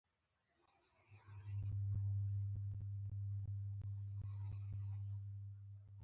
مکسیکو په یو زرو اته سوه یوویشت کال کې خپلواکي ترلاسه کړه.